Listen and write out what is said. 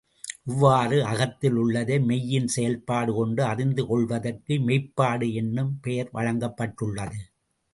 இவ்வாறு அகத்தில் உள்ளதை மெய்யின் செயல்பாடு கொண்டு அறிந்து கொள்வதற்கு மெய்ப்பாடு என்னும் பெயர் வழங்கப்பட்டுள்ளது.